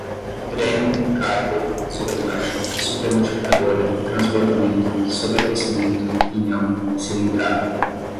dreno, cárter, sobremarcha, supermultiplicadora, transbordamento, sobreaquecimento, pinhão, cilindrada